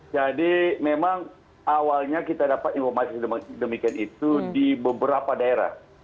jadi memang awalnya kita dapat informasi demikian itu di beberapa daerah